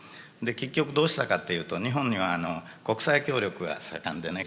結局どうしたかというと日本には国際協力が盛んでね